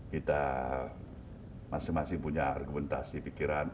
kita masih masih punya argumentasi pikiran